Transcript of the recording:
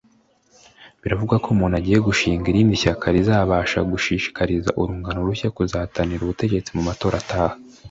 Biravugwa ko Muntu agiye gushinga irindi shyaka rizabasha gushishikariza urungano rushya kuzahatanira ubutegetsi mu matora ataha